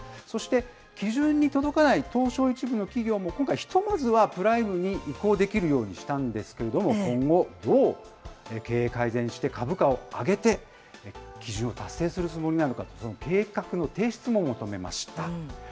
そして、基準に届かない東証１部の企業も今回、ひとまずはプライムに移行できるようにしたんですけれども、今後、どう経営を改善して株価を上げて基準を達成するつもりなのか、その計画の提出も求めました。